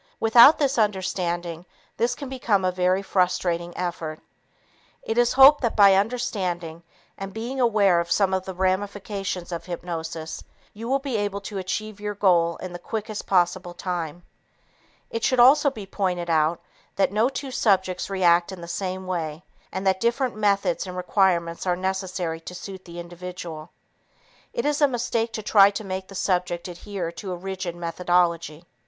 Without this understanding, this can become a very frustrating effort. It is hoped that by understanding and being aware of some of the ramifications of hypnosis, you will be able to achieve your goal in the quickest possible time. It should also be pointed out that no two subjects react in the same way and that different methods and requirements are necessary to suit the individual. It is a mistake to try to make the subject adhere to a rigid methodology.